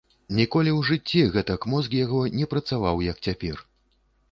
Ніколі ў жыцці гэтак мозг яго не працаваў, як цяпер.